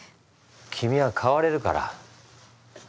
君は変われるから。